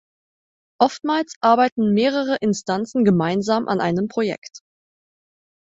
Oftmals arbeiten mehrere Instanzen gemeinsam an einem Projekt.